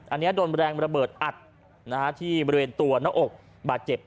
อันนี้โดนแรงระเบิดอัดที่บริเวณตัวหน้าอกบาดเจ็บ